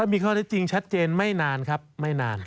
มีข้อได้จริงชัดเจนไม่นานครับไม่นาน